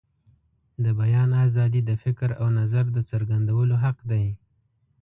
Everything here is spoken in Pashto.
د بیان آزادي د فکر او نظر د څرګندولو حق دی.